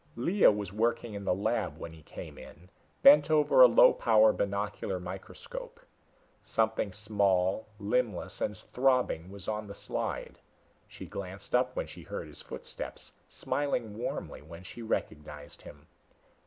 Lea was working in the lab when he came in, bent over a low power binocular microscope. Something small, limbless and throbbing was on the slide. She glanced up when she heard his footsteps, smiling warmly when she recognized him.